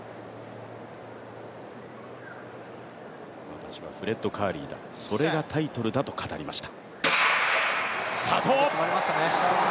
私はフレッド・カーリーだ、それがタイトルだと語りました。